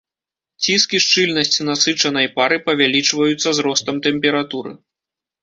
Ціск і шчыльнасць насычанай пары павялічваюцца з ростам тэмпературы.